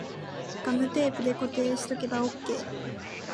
ガムテープで固定しとけばオッケー